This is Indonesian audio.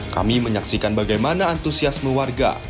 kami menyaksikan bagaimana antusiasme warga